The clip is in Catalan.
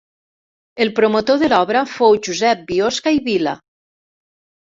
El promotor de l'obra fou Josep Biosca i Vila.